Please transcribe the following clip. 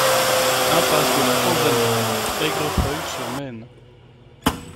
Impasse de la Tanzanite, Aigrefeuille-sur-Maine